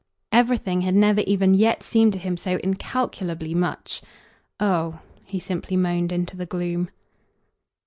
Everything had never even yet seemed to him so incalculably much. "Oh!" he simply moaned into the gloom.